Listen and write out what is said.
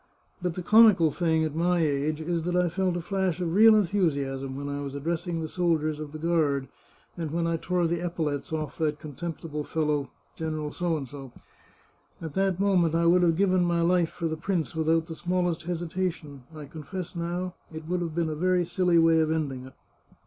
" But the comical thing, at my age, is that I felt a flash of real enthusiasm when I was addressing the soldiers of the guard, and when I tore the epaulettes oflf that contemptible fellow, P . At that moment I would have given my life 438 The Chartreuse of Parma for the prince without the smallest hesitation. I confess, now, it would have been a very silly way of ending it.